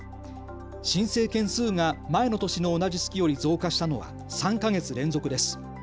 申請件数が前の年の同じ月より増加したのは３か月連続です。